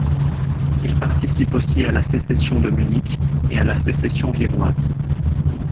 Il participe aussi à la Sécession de Munich et à la Sécession viennoise.